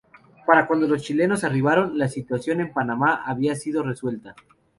Para cuando los chilenos arribaron, la situación en Panamá había sido resuelta.